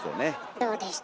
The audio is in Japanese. どうでした？